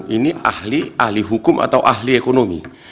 ini ahli ahli hukum atau ahli ekonomi